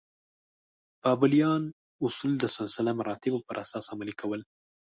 بابلیان اصول د سلسله مراتبو پر اساس عملي کول.